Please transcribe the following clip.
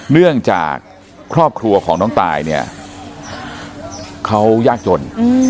เนื่องจากครอบครัวของน้องตายเนี่ยเขายากจน